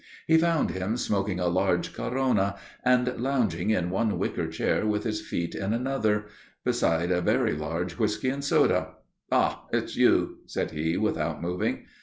He found him smoking a large corona and lounging in one wicker chair with his feet on another, beside a very large whisky and soda. "Ah, it's you," said he without moving.